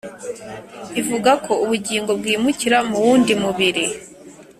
ivuga ko ubugingo bwimukira mu wundi mubiri